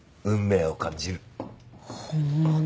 本物。